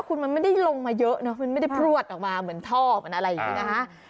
คุณมันไม่ได้ลงมาเยอะเนอะมันไม่ได้พลวดออกมาเหมือนทอบอะไรอย่างนี้นะคะ